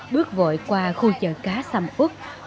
bước vội qua khu chợ cá sàm úc